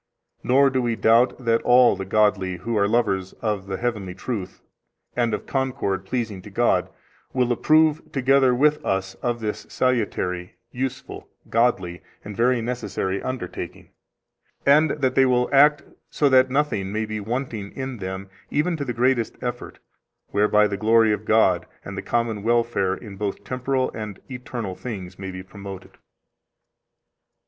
Nor do we doubt that all the godly who are lovers of the heavenly truth, and of concord pleasing to God, will approve, together with us, of this salutary, useful, godly, and very necessary undertaking, and that they will act so that nothing may be wanting in them, even to the greatest effort, whereby the glory of God and the common welfare in both temporal and eternal things may be promoted.